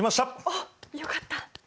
おっよかった。